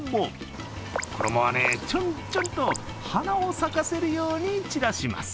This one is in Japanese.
衣は、チョンチョンと花を咲かせるように散らします。